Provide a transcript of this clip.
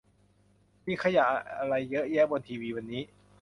มีขยะอะไรเยอะแยะบนทีวีวันนี้